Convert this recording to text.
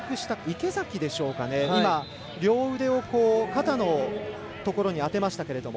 池崎でしょうね、両腕を肩のところに当てましたけど。